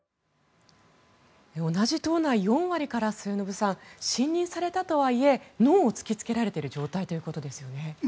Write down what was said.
同じ党内４割から末延さん信任されたとはいえノーを突きつけられている状態だということですよね。